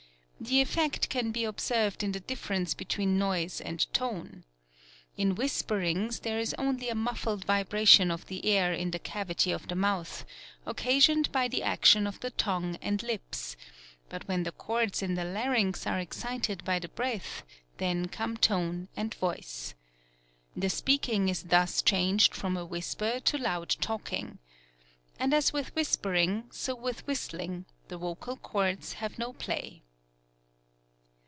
The effect can be observed in the difference between ndse and tone. In whisperings there is only a muffled vibration of the air in the cavity of the mouth, occasioned by the action of the tongue and lips ; but when the cords in the larynx are excited by the breath, then come tone and voice. The speaking is thus changed from a whisper to loud talking. And as with whisper ing so with whistling — the vocal cords have no play.